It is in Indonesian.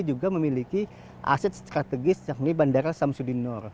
juga memiliki aset strategis yakni bandara samsudinur